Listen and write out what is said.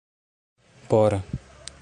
por